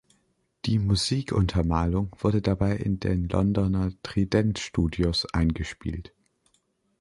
Die Musikuntermalung wurde dabei in den Londoner Trident-Studios eingespielt.